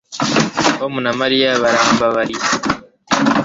Tom na Mariya barambabariye